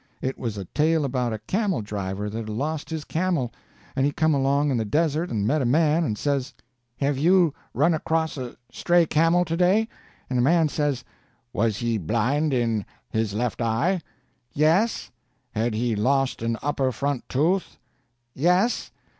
It was a tale about a camel driver that had lost his camel, and he come along in the desert and met a man, and says: "Have you run across a stray camel to day?" And the man says: "Was he blind in his left eye?" "Yes." "Had he lost an upper front tooth?" "Yes."